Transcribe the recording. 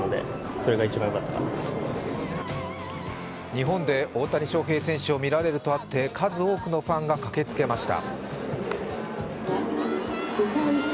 日本で大谷翔平選手を見られるとあって数多くのファンが駆けつけました。